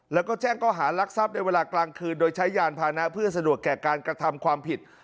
แล้วก็แจ้งข้อหารักทรัพย์ในเวลากลางคืนโดยใช้ยานพานะเพื่อสะดวกแก่การกระทำความผิด